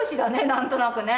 何となくね。